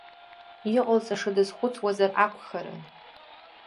Иҟалҵаша дазхәыцуазар акәхарын.